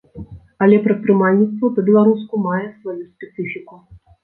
Але прадпрымальніцтва па-беларуску мае сваю спецыфіку.